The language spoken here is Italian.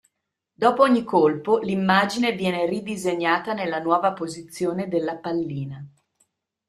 Dopo ogni colpo l'immagine viene ridisegnata nella nuova posizione della pallina.